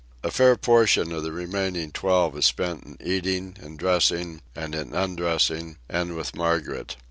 A fair portion of the remaining twelve is spent in eating, in dressing, and in undressing, and with Margaret.